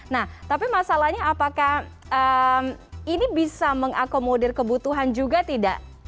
nah tapi masalahnya apakah ini bisa mengakomodir kebutuhan juga tidak